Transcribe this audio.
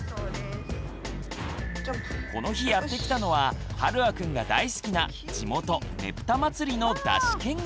この日やって来たのははるあくんが大好きな地元ねぷたまつりの山車見学。